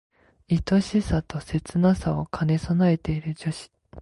いとしさと切なさを兼ね備えている女子